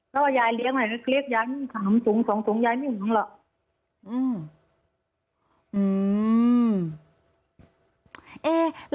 แล้วยายเลี้ยงหน่อยเล็กยายไม่มี๓สูง๒สูงยายไม่หวังหรอก